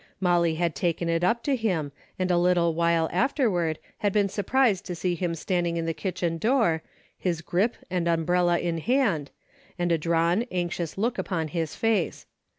Molly had taken it up to him and a little while afterward had been surprised to see him standing in the kitchen door, his grip and umbrella in hand, and a drawn, anxious look upon his face.